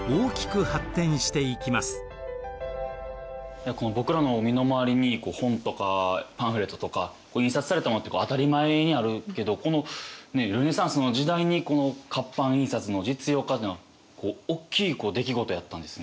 いやこの僕らの身の回りに本とかパンフレットとか印刷されたものって当たり前にあるけどこのルネサンスの時代にこの活版印刷の実用化っていうのはおっきい出来事やったんですね。